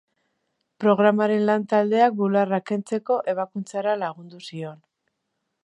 Programaren lan-taldeak bularrak kentzeko ebakuntzara lagundu zion.